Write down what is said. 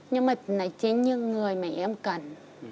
nhưng mà chính như người mà em cần